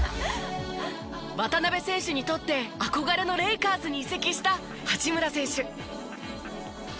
渡邊選手にとって憧れのレイカーズに移籍した八村選手。